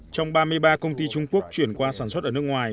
trong ba mươi ba công ty trung quốc chuyển qua sản xuất ở nước ngoài